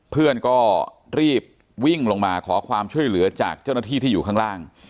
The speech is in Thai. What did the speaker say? เพื่อนก็รีบวิ่งลงมาขอความช่วยเหลือจากเจ้าหน้าที่ที่อยู่ข้างล่าง